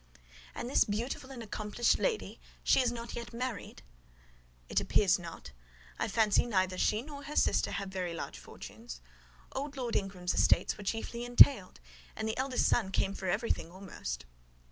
"And this beautiful and accomplished lady, she is not yet married?" "It appears not: I fancy neither she nor her sister have very large fortunes. Old Lord Ingram's estates were chiefly entailed, and the eldest son came in for everything almost."